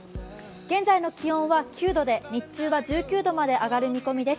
現在の気温は９度で、日中は１９度まで上がる見込みです。